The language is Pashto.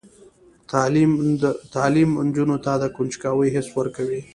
تعلیم نجونو ته د کنجکاوۍ حس ورکوي.